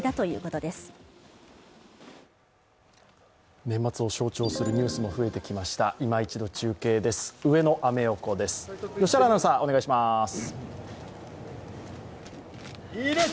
いま一度、中継です。